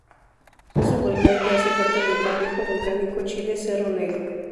Es un volcán que hace parte del complejo volcánico Chiles-Cerro Negro.